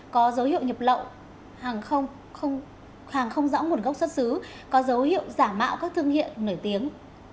có dấu hiệu nhập lậu hàng không hàng không rõ nguồn gốc xuất xứ có dấu hiệu giả mạo các thương hiệu nổi tiếng